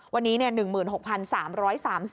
วันนี้เนี่ย๑๖๓๓๐